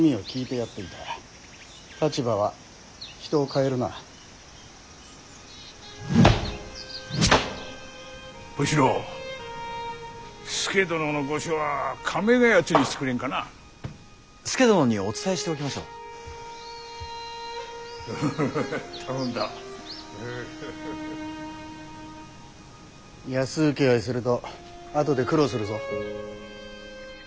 安請け合いすると後で苦労するぞ。